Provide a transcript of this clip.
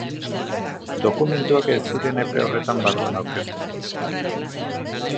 Dokumentuak ez ziren epe horren barruan aurkeztu.